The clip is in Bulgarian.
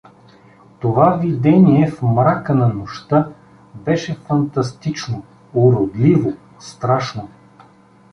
Това видение в мрака на нощта беше фантастично, уродливо, страшно.